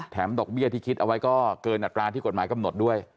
ดอกเบี้ยที่คิดเอาไว้ก็เกินอัตราที่กฎหมายกำหนดด้วย